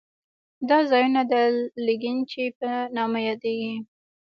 دا ځایونه د لګنچې په نامه یادېږي.